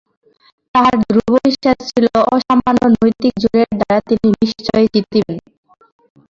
তাঁহার ধ্রুব বিশ্বাস ছিল অসামান্য নৈতিক জোরের দ্বারা তিনি নিশ্চয়ই জিতিবেন।